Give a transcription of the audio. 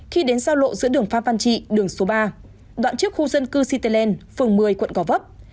khi đến giao lộ giữa đường phan văn trị đường số ba đoạn trước khu dân cư sĩ tê lên phường một mươi quận gò vấp